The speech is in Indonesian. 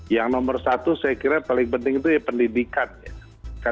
yang nomor satu saya kira paling penting itu pendidikan